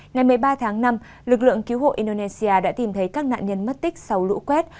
ngày một mươi ba tháng năm lực lượng cứu hộ indonesia đã tìm thấy các nạn nhân mất tích sau lũ quét